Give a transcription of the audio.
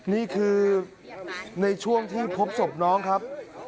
นี่คือในช่วงที่พบศพน้องครับ